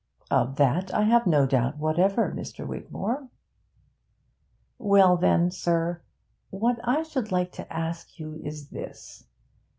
'Of that I have no doubt whatever, Mr. Wigmore.' 'Well, then, sir, what I should like to ask you is this.